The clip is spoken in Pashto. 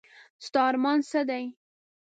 ستا ارمان څه دی ؟